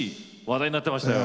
話題になってましたよ。